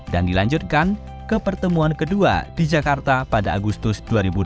dan dilanjutkan ke pertemuan kedua di jakarta pada agustus dua ribu dua puluh tiga